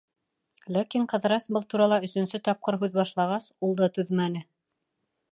Ләкин Ҡыҙырас был турала өсөнсө тапҡыр һүҙ башлағас, ул да түҙмәне.